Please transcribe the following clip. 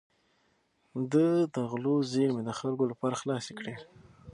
ده د غلو زېرمې د خلکو لپاره خلاصې کړې.